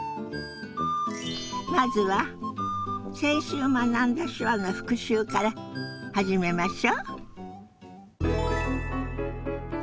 まずは先週学んだ手話の復習から始めましょ。